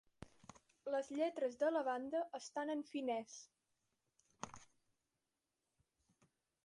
Les lletres de la banda estan en finès.